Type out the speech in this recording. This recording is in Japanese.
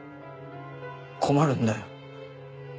困るんだよ